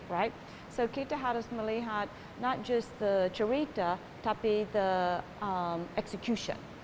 jadi kita harus melihat bukan hanya cerita tapi juga eksekusi